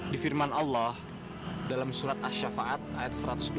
difirman allah dalam surat ash shafa'at ayat satu ratus dua satu ratus delapan